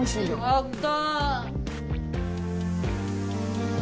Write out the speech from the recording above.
やった。